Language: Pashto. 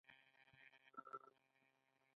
د دې نظریې مخه نیسي.